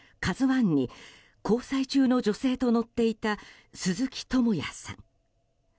「ＫＡＺＵ１」に交際中の女性と乗っていた鈴木智也さん。